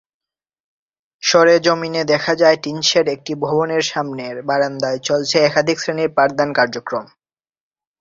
সরেজমিনে দেখা যায়, টিনশেড একটি ভবনের সামনের বারান্দায় চলছে একাধিক শ্রেণীর পাঠদান কার্যক্রম।